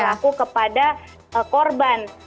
terlaku kepada korban